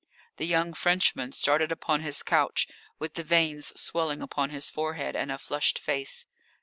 The young Frenchman started upon his couch, with the veins swelling upon his forehead and a flushed face.